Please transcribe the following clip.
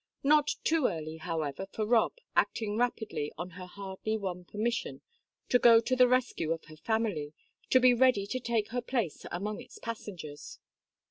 Not too early, however, for Rob, acting rapidly on her hardly won permission to go to the rescue of her family, to be ready to take her place among its passengers.